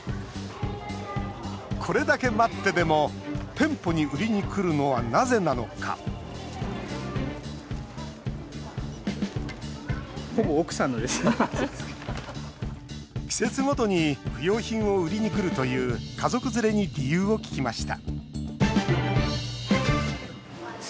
これだけ待ってでも、店舗に売りにくるのは、なぜなのか季節ごとに不用品を売りにくるという家族連れに理由を聞きました